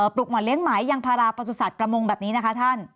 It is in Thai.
ปลูกหม่อนเลี้ยงไหมยังพาราประสุทธิ์สัตว์ประมงแบบนี้นะคะท่าน